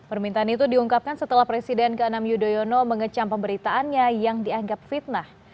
permintaan itu diungkapkan setelah presiden ke enam yudhoyono mengecam pemberitaannya yang dianggap fitnah